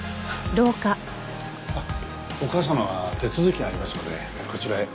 あっお母様は手続きがありますのでこちらへ。